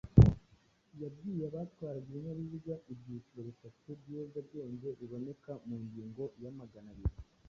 yabwiye abatwara ibinyabiziga ibyiciro bitatu by’ibiyobyabwenge biboneka mu ngingo ya magana biri